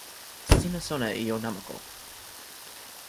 sina sona e ijo namako.